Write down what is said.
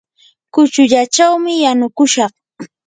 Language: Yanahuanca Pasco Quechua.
kuchullachawmi yanukushaq.